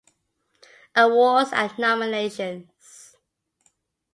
Awards and Nominations